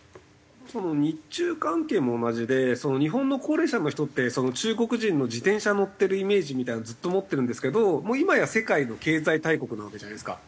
日中関係も同じで日本の高齢者の人って中国人の自転車乗ってるイメージみたいなのずっと持ってるんですけどもう今や世界の経済大国なわけじゃないですか。